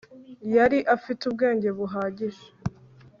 yari afite ubwenge buhagije